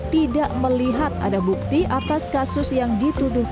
tidak melihat ada bukti atas kasus yang dituduhkan